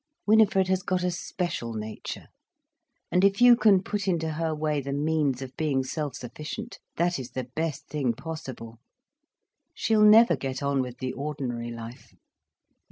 Winifred has got a special nature. And if you can put into her way the means of being self sufficient, that is the best thing possible. She'll never get on with the ordinary life.